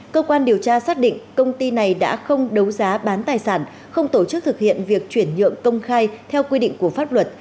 cơ quan điều tra xác định công ty này đã không đấu giá bán tài sản không tổ chức thực hiện việc chuyển nhượng công khai theo quy định của pháp luật